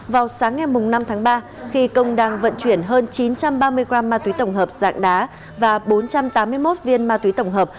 vào sáng ngày năm tháng ba khi công đang vận chuyển hơn chín trăm ba mươi g ma túy tổng hợp dạng đá và bốn trăm tám mươi một viên ma túy tổng hợp